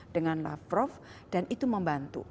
dengan wafrov dan itu membantu